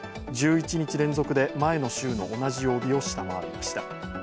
１１日連続で前の週の同じ曜日を下回りました。